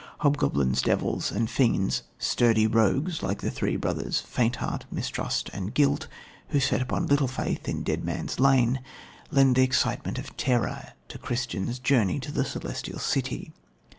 Hobgoblins, devils and fiends, "sturdy rogues" like the three brothers Faintheart, Mistrust and Guilt, who set upon Littlefaith in Dead Man's Lane, lend the excitement of terror to Christian's journey to the Celestial City.